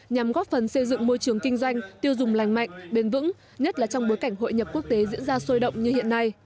nhằm góp phần xây dựng môi trường kinh doanh tiêu dùng lành mạnh bền vững nhất là trong bối cảnh hội nhập quốc tế diễn ra sôi động như hiện nay